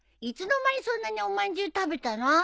いつの間にそんなにおまんじゅう食べたの？